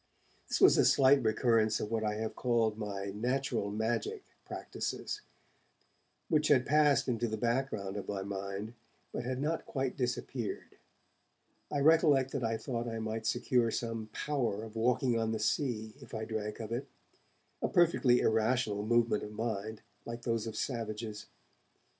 This was a slight recurrence of what I have called my 'natural magic' practices, which had passed into the background of my mind, but had not quite disappeared. I recollect that I thought I might secure some power of walking on the sea, if I drank of it a perfectly irrational movement of mind, like those of savages.